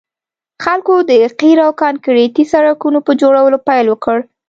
خلکو د قیر او کانکریټي سړکونو په جوړولو پیل وکړ